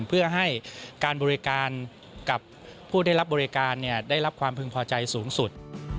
เพื่อให้การบริการกับผู้ได้รับบริการได้รับความพึงพอใจสูงสุด